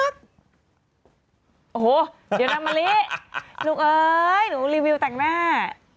เดี๋ยวนะมลิลูกเอยฉันรีวิวแต่งหน้า